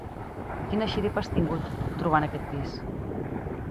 Quina xiripa has tingut, trobant aquest pis!